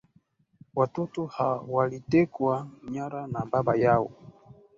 watoto ha walitekwa nyara na baba yao